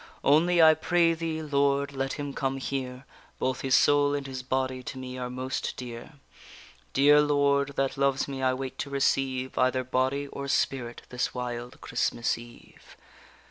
Only I pray thee, Lord, let him come here! Both his soul and his body to me are most dear. Dear Lord, that loves me, I wait to receive Either body or spirit this wild Christmas eve.